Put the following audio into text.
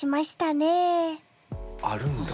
あるんだ。